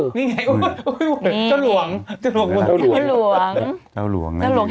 นี่ไงอุ๊ยเจ้าหลวง